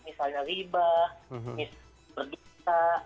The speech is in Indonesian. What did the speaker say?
misalnya riba misal berdosa